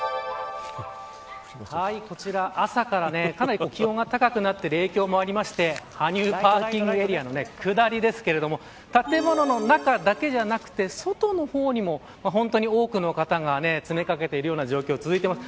こちら朝からかなり気温が高くなっている影響もありまして羽生パーキングエリアの下りですけれども建物の中だけじゃなくて外の方にも本当に多くの方が詰め掛けているような状況が続いています。